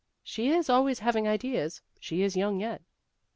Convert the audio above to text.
" She is always having ideas ; she is young yet."